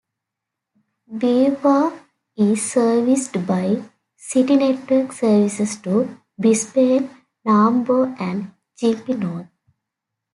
Beerwah is serviced by City network services to Brisbane, Nambour and Gympie North.